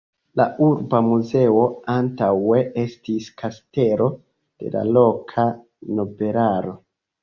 La urba muzeo antaŭe estis kastelo de la loka nobelaro.